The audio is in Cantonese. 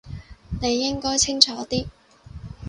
你應該清楚啲